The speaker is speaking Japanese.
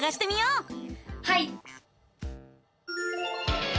はい！